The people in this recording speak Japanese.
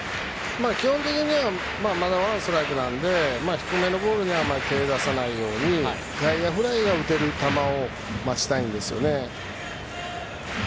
基本的にはまだワンストライクなので低めのボールにあまり手を出さないように外野フライが打てる球を待ちたいですよね。